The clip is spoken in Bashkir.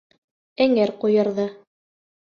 Эңер ҡуйырҙы.